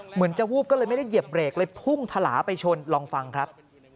เหมือนจะวูบก็เลยไม่ได้เหยียบเบรกเลยพุ่งทะลาไปชนลองฟังครับ